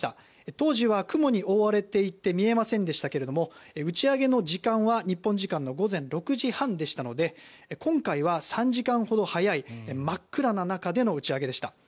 当時は雲に覆われていて見えませんでしたけれども打ち上げの時間は日本時間の午前６時半でしたので今回は３時間ほど早い真っ暗な中での打ち上げでした。